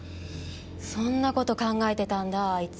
そんなこと考えてたんだあいつ。